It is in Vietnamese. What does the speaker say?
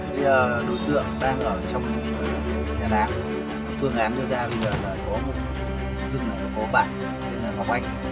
bây giờ đối tượng đang ở trong nhà đám phương án cho ra bây giờ là có một hình là có bạn tên là ngọc anh